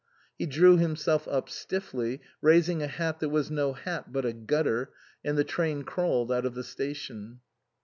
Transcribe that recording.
He drew himself up stiffly, raising a hat that was no hat but a gutter, and the train crawled out of the station.